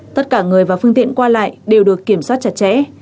tất cả người và phương tiện qua lại đều được kiểm soát chặt chẽ